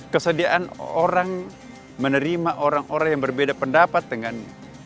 kesediaan orang menerima orang orang yang berbeda pendapat denganmu